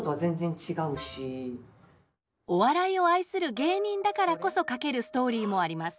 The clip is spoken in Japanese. お笑いを愛する芸人だからこそ書けるストーリーもあります